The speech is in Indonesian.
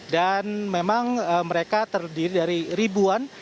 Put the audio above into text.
dan memang mereka terdiri dari ribuan